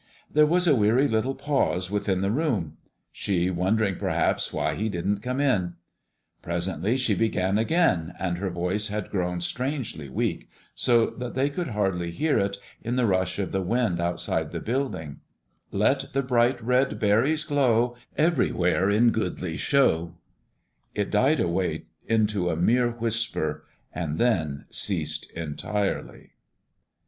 There was a weary little pause within the room; she wondering, perhaps, why he didn't come in. Presently she began again, and her voice had grown strangely weak, so that they could hardly hear it, in the rush of the wind outside the building: "Let the bright red berries glow, Everywhere in goodly show" It died away into a mere whisper, and then ceased entirely.